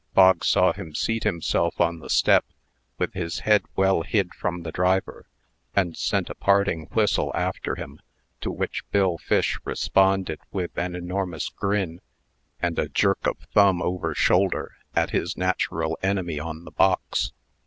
Bog saw him seat himself on the step, with his head well hid from the driver, and sent a parting whistle after him, to which Bill Fish responded with an enormous grin and a jerk of thumb over shoulder at his natural enemy on the box.